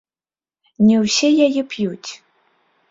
Не ўсе яе п'юць.